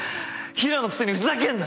平良のくせにふざけんな！